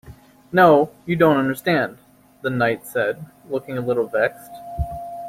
‘No, you don’t understand,’ the Knight said, looking a little vexed.